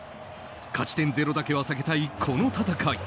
勝ち点０だけは避けたいこの戦い。